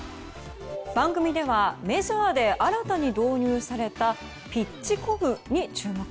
番組ではメジャーで新たに導入されたピッチコムに注目。